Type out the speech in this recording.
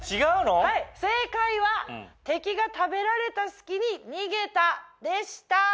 はい正解は「敵が食べられた隙に逃げた」でした。